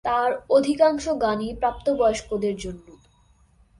তার অধিকাংশ গানই প্রাপ্তবয়স্কদের জন্য।